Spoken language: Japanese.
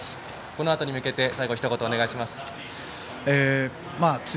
このあとに向けて最後、ひと言お願いします。